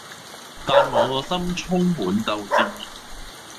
但我個心充滿鬥志